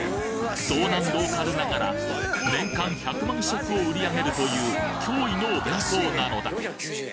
道南ローカルながら年間１００万食を売り上げるという驚異のお弁当なのだ